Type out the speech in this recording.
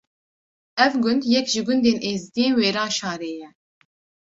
Ev gund yek ji gundên êzîdiyên Wêranşarê ye.